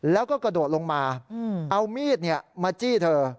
แล้วก็กระโดดลงมาเอามีดมาจี้เธอ